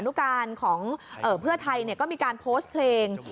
นุการของเพื่อไทยก็มีการโพสต์เพลง